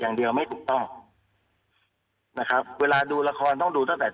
อย่างเดียวไม่ถูกต้องนะครับเวลาดูละครต้องดูตั้งแต่